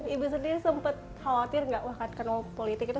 ibu sendiri sempat khawatir gak waktu kenal politik itu